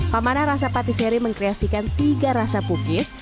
pamanah rasa patiseri mengkreasikan tiga rasa lupis